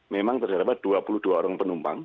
memang terdapat dua puluh dua orang penumpang